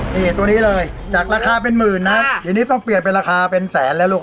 นี่ตัวนี้เลยจากราคาเป็นหมื่นนะเดี๋ยวนี้ต้องเปลี่ยนเป็นราคาเป็นแสนแล้วลูก